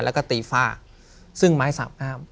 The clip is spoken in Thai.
แล้วก็ตีฝ้าซึ่งไม้สามกล้าม